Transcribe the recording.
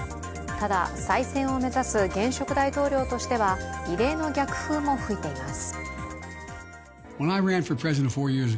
ただ、再選を目指す現職大統領としては異例の逆風も吹いています。